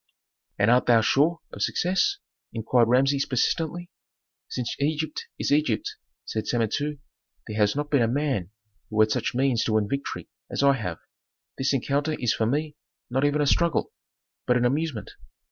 "And art thou sure of success?" inquired Rameses persistently. "Since Egypt is Egypt," said Samentu, "there has not been a man who had such means to win victory as I have. This encounter is for me not even a struggle, but an amusement.